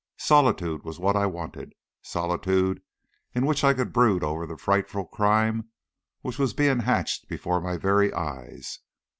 Solitude was what I wanted solitude in which I could brood over the frightful crime which was being hatched before my very eyes.